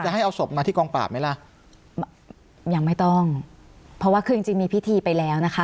ให้เอาศพมาที่กองปราบไหมล่ะยังไม่ต้องเพราะว่าคือจริงจริงมีพิธีไปแล้วนะคะ